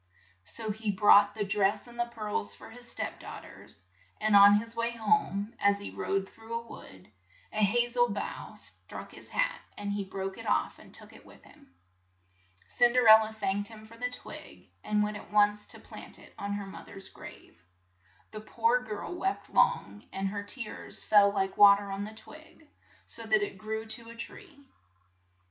So he brought the dress and the pearls for his step daugh ters, and on his way home, as he rode through a wood, a ha zel bough struck his hat, and he broke it off and took it with him. Cin der el la thanked him for the twig, and went at once to plant it on her mother's grave. The poor girl wept long, and her tears fell like wa ter on the twig, so that it grew to a tree.